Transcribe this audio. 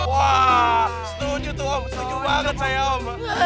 wah setuju tuh om setuju banget saya om